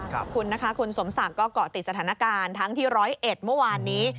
ขอบคุณนะคะคุณสมศักดิ์ก็เกาะติดสถานการณ์ทั้งที่ร้อยเอ็ดเมื่อวานนี้